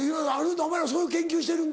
お前らそういう研究してるんだ。